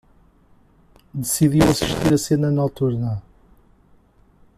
Decidiu assistir a cena noturna